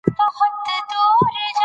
ډېر ستر پند په کې نغښتی دی